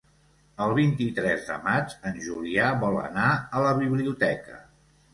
El vint-i-tres de maig en Julià vol anar a la biblioteca.